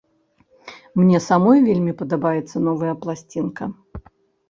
Мне самой вельмі падабаецца новая пласцінка.